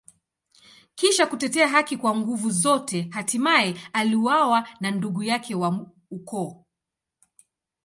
Kisha kutetea haki kwa nguvu zote, hatimaye aliuawa na ndugu yake wa ukoo.